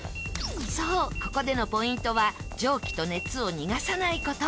そうここでのポイントは蒸気と熱を逃がさない事。